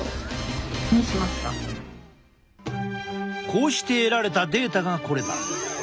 こうして得られたデータがこれだ。